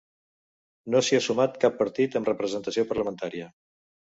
No s’hi ha sumat cap partit amb representació parlamentària.